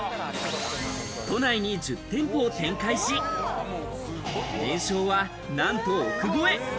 都内に１０店舗を展開し、年商はなんと億超え。